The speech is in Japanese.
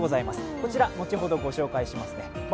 こちら、後ほど、ご紹介します。